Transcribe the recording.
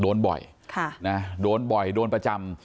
โดนบ่อยโดนบ่อยโดนประจำ